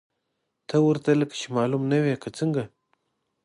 ته ورته لکه چې معلوم نه وې، که څنګه!؟